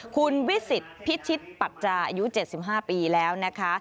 คุณวิสิตพิชิตปัจจาอายุ๗๕ปีแล้วนะคะ